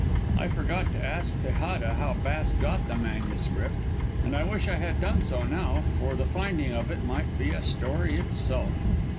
I forgot to ask Tejada how Bass got the manuscript, and I wish I had done so now, for the finding of it might be a story itself.